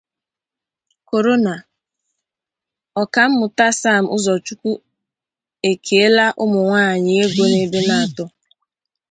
Korona: Ọkammụta Sam Ụzọchukwu Ekèéla Ụmụnwaanyị Ego n'Ebenator